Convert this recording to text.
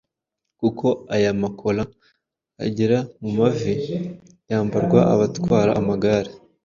kuko aya ma colan agera mu mavi yambarwa abatwara amagare